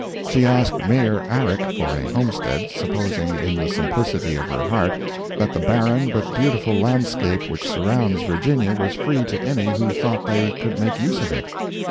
She asked Mayor Arick for a homestead, supposing, in the simplicity of her heart, that the barren but beautiful landscape which surrounds Virginia was free to any who thought they could make use of it.